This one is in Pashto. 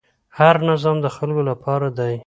هر نظام د خلکو لپاره دی